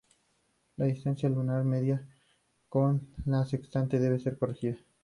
La distancia lunar medida con el sextante debe ser corregida.